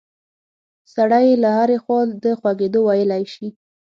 سړی یې له هرې خوا د خوږېدو ویلی شي.